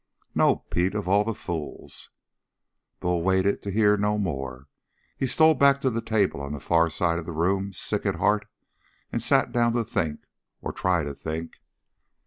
"No, Pete, of all the fools " Bull waited to hear no more. He stole back to the table on the far side of the room sick at heart and sat down to think or try to think.